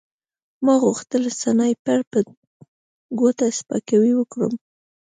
ما غوښتل سنایپر ته په ګوته سپکاوی وکړم